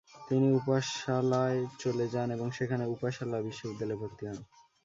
তিনি উপসালায় চলে যান এবং সেখানে উপসালা বিশ্ববিদ্যালয়ে ভর্তি হন।